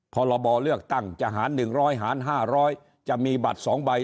พรบเลือกตั้งจะหารหนึ่งร้อยหารห้าร้อยจะมีบัตรสองใบ